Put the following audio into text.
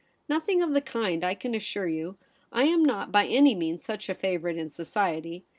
' Nothing of the kind, I can assure you. I am not by any means such a favourite in society.